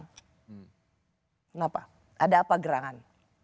kenapa ada apa gerangan